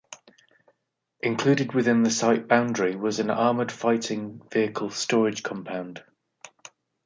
Included within the site boundary was an armoured fighting vehicle storage compound.